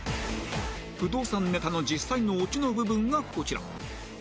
不動産ネタの実際のオチの部分がこちら